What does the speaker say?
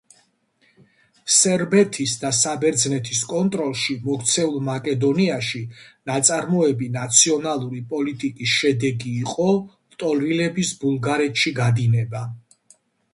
სერბეთის და საბერძნეთის კონტროლში მოქცეულ მაკედონიაში ნაწარმოები ნაციონალური პოლიტიკის შედეგი იყო ლტოლვილების ბულგარეთში გადინება.